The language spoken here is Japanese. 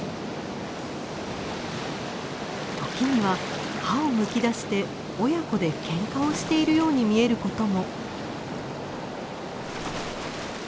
時には歯をむき出して親子でケンカをしているように見えることも。